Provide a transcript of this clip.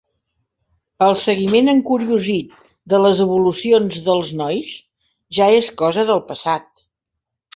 El seguiment encuriosit de les evolucions dels nois ja és cosa del passat.